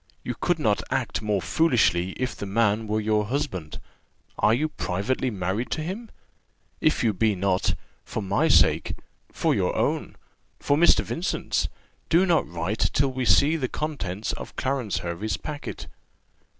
You could not act more foolishly if the man were your husband. Are you privately married to him? If you be not for my sake for your own for Mr. Vincent's do not write till we see the contents of Clarence Hervey's packet."